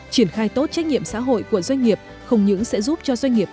triển khai tốt trách nhiệm xã hội của doanh nghiệp không những sẽ giúp cho doanh nghiệp